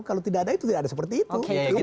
kalau tidak ada itu tidak ada seperti itu